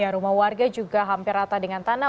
rumah warga juga hampir rata dengan tanah